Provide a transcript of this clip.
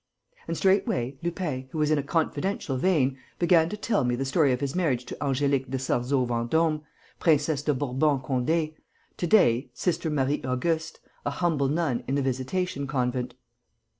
And, straightway, Lupin, who was in a confidential vein, began to tell me the story of his marriage to Angélique de Sarzeau Vendôme, Princesse de Bourbon Condé, to day Sister Marie Auguste, a humble nun in the Visitation Convent....